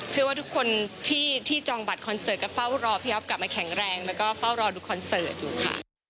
เชื่อว่าทุกคนที่จองบัตรคอนเสิร์ตก็เฝ้ารอพี่อ๊อฟกลับมาแข็งแรงแล้วก็เฝ้ารอดูคอนเสิร์ตอยู่ค่ะ